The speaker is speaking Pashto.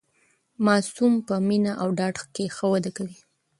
ماسوم په مینه او ډاډ کې ښه وده کوي.